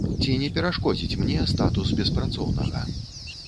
Ці не перашкодзіць мне статус беспрацоўнага?